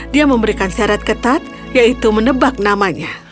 dia memberikan syarat ketat yaitu menebak namanya